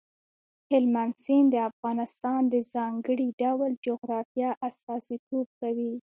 هلمند سیند د افغانستان د ځانګړي ډول جغرافیه استازیتوب کوي.